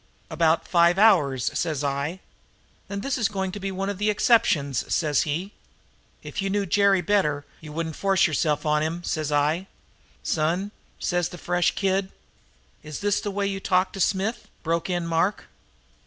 "'About five hours,' says I. "'Then this is going to be one of the exceptions,' says he. "'If you knew Jerry better you wouldn't force yourself on him,' says I. "'Son,' says this fresh kid " "Is this the way you talk to Smith?" broke in Mark.